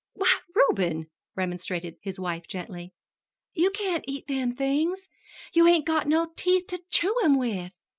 "Why, Reuben," remonstrated his wife gently, "you can't eat them things you hain't got no teeth to chew 'em with!"